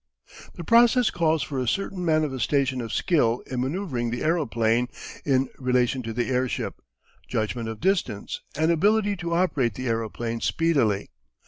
The process calls for a certain manifestation of skill in manoeuvring the aeroplane in relation to the airship, judgment of distance, and ability to operate the aeroplane speedily.